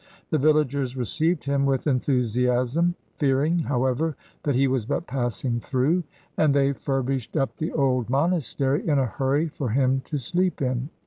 The villagers received him with enthusiasm, fearing, however, that he was but passing through, and they furbished up the old monastery in a hurry for him to sleep in.